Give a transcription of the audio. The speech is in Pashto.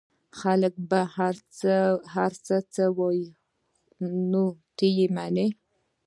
خلک به هرڅه هرڅه وايي نو ته يې منې؟